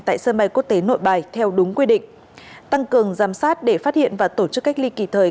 tại sân bay quốc tế nội bài theo đúng quy định tăng cường giám sát để phát hiện và tổ chức cách ly kịp thời